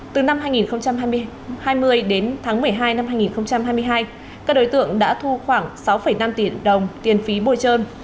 từ năm hai nghìn hai mươi đến tháng một mươi hai năm hai nghìn hai mươi hai các đối tượng đã thu khoảng sáu năm tỷ đồng tiền phí bồi trơn